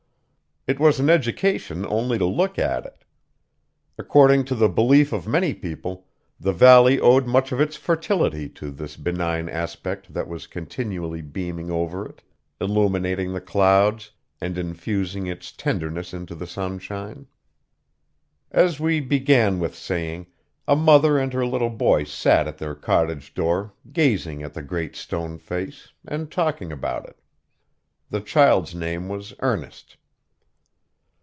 It was an education only to look at it. According to the belief of many people, the valley owed much of its fertility to this benign aspect that was continually beaming over it, illuminating the clouds, and infusing its tenderness into the sunshine. As we began with saying, a mother and her little boy sat at their cottage door, gazing at the Great Stone Face, and talking about it. The child's name was Ernest.